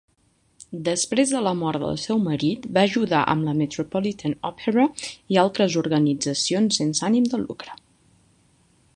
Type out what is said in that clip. Després de la mort del seu marit va ajudar amb la Metropolitan Opera i altres organitzacions sense ànim de lucre.